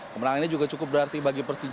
kemenangannya juga cukup berarti bagi persija